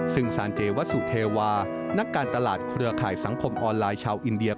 ซึ่งซานเจวัสสุเทวานักการตลาดเครือข่ายสังคมออนไลน์ชาวอินเดีย